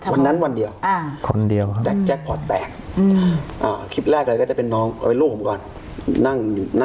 วันนั้นวันเดียวแจ๊กพอร์ตแตกคลิปแรกก็จะเป็นน้องเอาเป็นลูกของผมก่อน